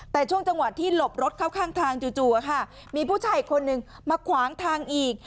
แต่ช่วงจังหวะที่หลบรถเข้าข้างทางจู่มีผู้ชายอีกคนนึงมาขวางทางอีก